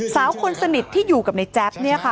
สาวคนสนิทที่อยู่กับนาแจ๊บ